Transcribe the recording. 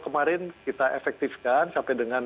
kemarin kita efektifkan sampai dengan